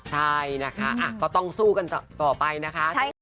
ใช่นะคะก็ต้องสู้กันต่อไปนะคะ